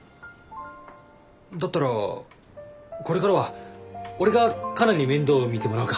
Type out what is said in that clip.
だったらこれからは俺がカナに面倒見てもらうか。